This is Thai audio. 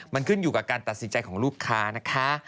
มันขึ้นอยู่กับการตัดสินใจของลูกค้านะคะ